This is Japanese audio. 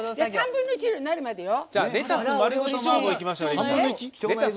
３分の１になるまでよ。